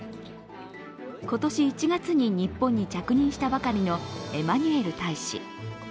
今年１月に日本に着任したばかりのエマニュエル大使。